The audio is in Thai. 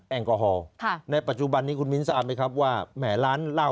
แอลกอฮอล์ในปัจจุบันนี้คุณมิ้นทราบไหมครับว่าแหมร้านเหล้า